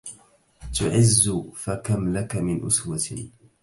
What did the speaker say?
تعز فكم لك من أسوة